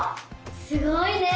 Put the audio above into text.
すごいね！